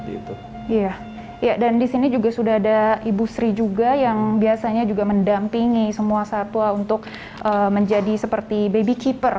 iya dan di sini juga sudah ada ibu sri juga yang biasanya juga mendampingi semua satwa untuk menjadi seperti baby keeper